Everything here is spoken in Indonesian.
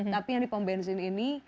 tapi yang di pomp benzin ini